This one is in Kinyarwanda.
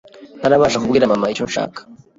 ntarabasha kubwira mama icyo nshaka